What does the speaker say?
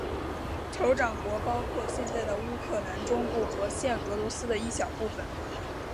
酋长国包括现在的乌克兰中部和现俄罗斯的一小部分。